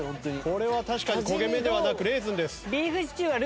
これは確かに焦げ目ではなくレーズンです。